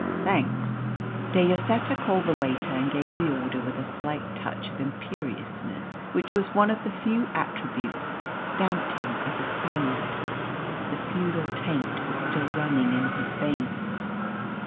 "Thanks." De Lloseta called the waiter and gave the order with a slight touch of imperiousness which was one of the few attributes that stamped him as a Spaniard. The feudal taint was still running in his veins.